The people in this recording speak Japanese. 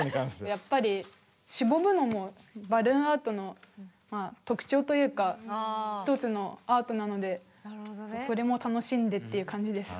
やっぱりしぼむのもバルーンアートの特徴というか一つのアートなのでそれも楽しんでっていう感じです。